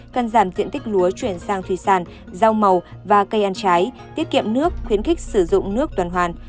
cần giảm diện tích lúa chuyển sang thủy sản rau màu và cây ăn trái tiết kiệm nước khuyến khích sử dụng nước tuần hoàn